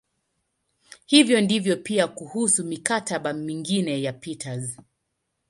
Hivyo ndivyo pia kuhusu "mikataba" mingine ya Peters.